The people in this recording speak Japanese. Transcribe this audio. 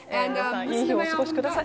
いい日をお過ごしください。